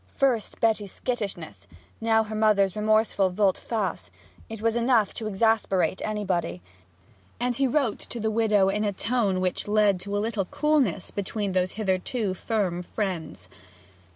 First Betty's skittishness; now her mother's remorseful volte face: it was enough to exasperate anybody; and he wrote to the widow in a tone which led to a little coolness between those hitherto firm friends.